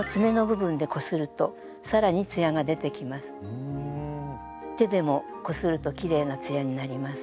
このときに手でもこするときれいなツヤになります。